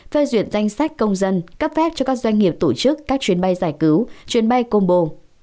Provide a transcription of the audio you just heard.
phê duyệt danh sách công dân cấp phép cho các doanh nghiệp tổ chức các chuyến bay giải cứu chuyến bay combo